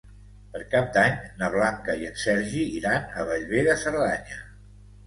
Per Cap d'Any na Blanca i en Sergi iran a Bellver de Cerdanya.